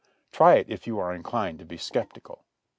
Try it if you are inclined to be skeptical.